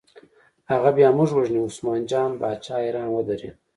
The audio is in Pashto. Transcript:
هغه بیا موږ وژني، عثمان جان باچا حیران ودرېد.